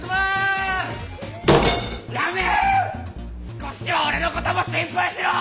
少しは俺のことも心配しろ！